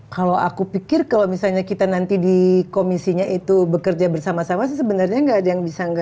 kalau aku pikir kalau misalnya kita nanti di komisinya itu bekerja bersama sama sih sebenarnya nggak ada yang bisa nggak